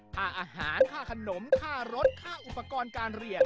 ค่าอาหารค่าขนมค่ารถค่าอุปกรณ์การเรียน